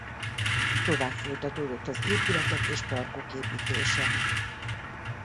Tovább folytatódott az épületek és parkok építése.